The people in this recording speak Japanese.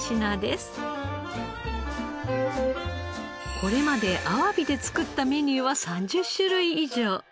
これまであわびで作ったメニューは３０種類以上。